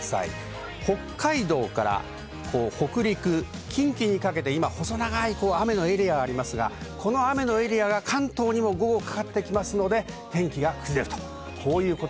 北海道から北陸、近畿にかけて雨のエリアがありますが、これが関東にも午後かかってきますので、天気が崩れます。